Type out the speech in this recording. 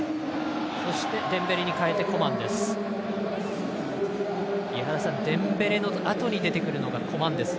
そしてデンベレに代えてコマンです。